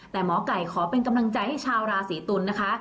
แต่หมอไก่ขอเป็นกำลังใจให้ชาวราศีตุลนะคะ